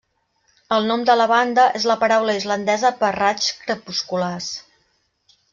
El nom de la banda és la paraula Islandesa per raigs crepusculars.